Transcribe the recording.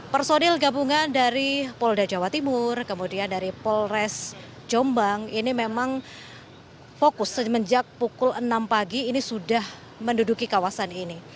personil gabungan dari polda jawa timur kemudian dari polres jombang ini memang fokus semenjak pukul enam pagi ini sudah menduduki kawasan ini